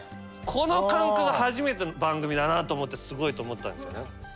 この感覚は初めての番組だなと思ってすごいと思ったんですよね。